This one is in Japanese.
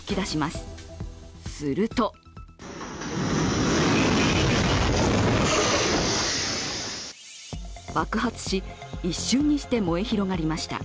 すると爆発し、一瞬にして燃え広がりました。